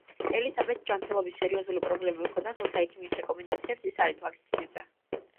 ელისაბედს ჯანმრთელობის სერიოზული პრობლემები ჰქონდა, თუმცა ექიმის რეკომენდაციებს ის არ ითვალისწინებდა.